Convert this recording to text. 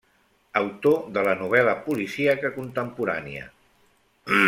Autor de la novel·la policíaca contemporània.